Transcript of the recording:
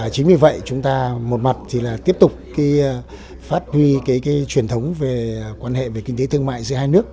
chính vì vậy chúng ta một mặt tiếp tục phát huy truyền thống về quan hệ kinh tế thương mại giữa hai nước